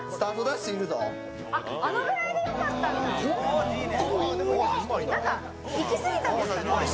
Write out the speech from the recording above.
あのぐらいでよかったのね。